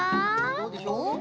どうでしょう？